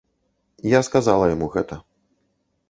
Я сказала яму гэта.